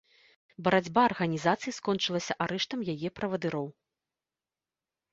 Барацьба арганізацыі скончылася арыштам яе правадыроў.